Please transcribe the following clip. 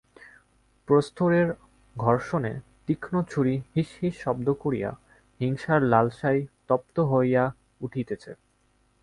প্রস্তরের ঘর্ষণে তীক্ষ্ণ ছুরি হিস হিস শব্দ করিয়া হিংসার লালসায় তপ্ত হইয়া উঠিতেছে।